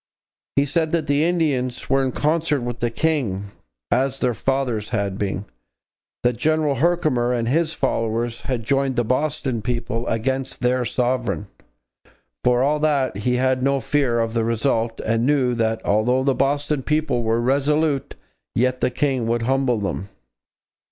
He said that 'the Indians were in concert with the King, as their fathers had been; ... that General Herkimer and his followers had joined the Boston people against their Sovereign.' For all that, he had no fear of the result and knew 'that although the Boston people were resolute, yet the King would humble them.'